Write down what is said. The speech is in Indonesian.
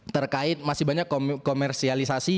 terkait masih banyak komersialisasi